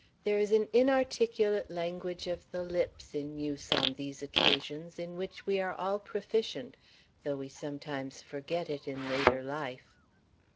There is an inarticulate language of the lips in use on these occasions in which we are all proficient, though we sometimes forget it in later life.